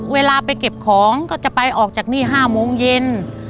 เวลาไปเก็บของก็จะไปออกจากนี่๕โมงเย็น